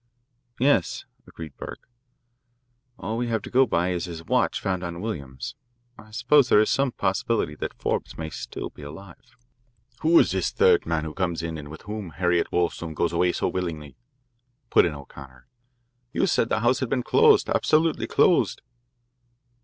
"Yes," agreed Burke, "all we have to go by is his watch found on Williams. I suppose there is some possibility that Forbes may still be alive." "Who is this third man who comes in and with whom Harriet Wollstone goes away so willingly?" put in O'Connor. "You said the house had been closed absolutely closed?"